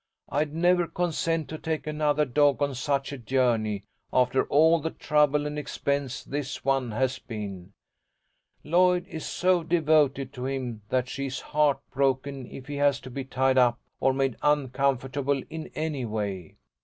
"I'd never consent to take another dog on such a journey, after all the trouble and expense this one has been. Lloyd is so devoted to him that she is heartbroken if he has to be tied up or made uncomfortable in any way.